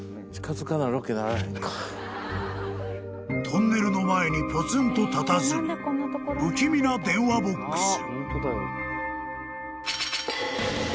［トンネルの前にポツンとたたずむ不気味な電話ボックス］